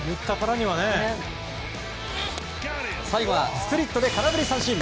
最後はスプリットで空振り三振。